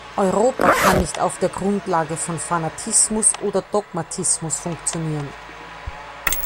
Europa kann nicht auf der Grundlage von Fanatismus oder Dogmatismus funktionieren.